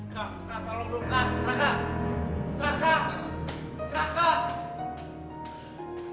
kak kak tolong dong kak raka raka raka